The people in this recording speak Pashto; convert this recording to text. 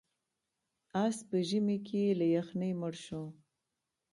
اس په ژمي کې له یخنۍ مړ شو.